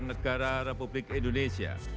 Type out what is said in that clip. negara republik indonesia